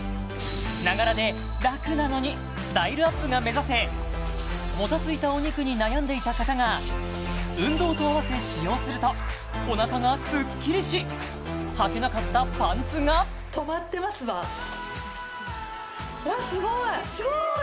ながらでラクなのにスタイルアップが目指せもたついたお肉に悩んでいた方が運動と併せ使用するとお腹がスッキリしはけなかったパンツがうわすごいすごい！